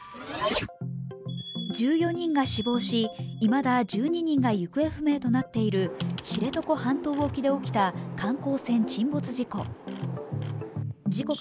１４人が死亡し、いまだ１２人が行方不明となっている知床半島沖で起きた観光船沈没事故。